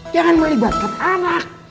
jangan melibatkan anak